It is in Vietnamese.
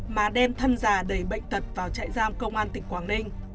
mà đem thân già đầy bệnh tật vào trại giam công an tỉnh quảng ninh